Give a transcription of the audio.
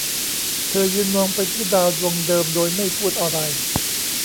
เธอยืนมองไปที่ดาวดวงเดิมโดยไม่พูดอะไร